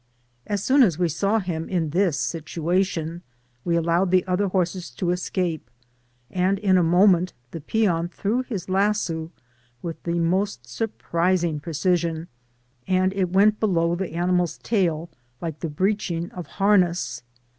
As soon as we saw him in this situation, we allowed the other horses to escape, and in a moment the peon threw his lasso with the most surprising precision, and it went be low the animal's tail like the breeching of har ness.